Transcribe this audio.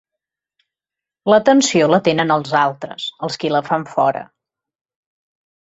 La tensió la tenen els altres, els qui la fan fora.